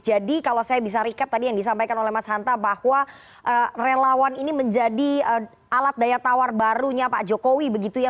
jadi kalau saya bisa recap tadi yang disampaikan oleh mas hanta bahwa relawan ini menjadi alat daya tawar barunya pak jokowi begitu ya